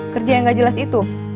kerja yang gak jelas itu